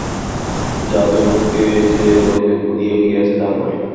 যাদবকে যে লোকে ভুলিয়া গিয়াছে তা নয়।